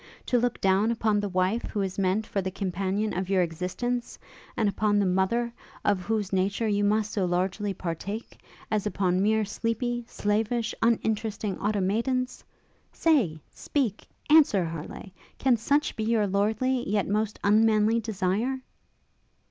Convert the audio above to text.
to look down upon the wife, who is meant for the companion of your existence; and upon the mother, of whose nature you must so largely partake; as upon mere sleepy, slavish, uninteresting automatons? Say! speak! answer, Harleigh! can such be your lordly, yet most unmanly desire?'